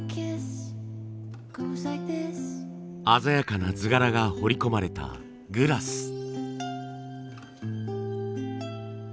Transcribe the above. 鮮やかな図柄が彫り込まれたグラス。